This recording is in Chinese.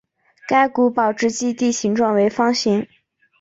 该古堡之基地形状为方形。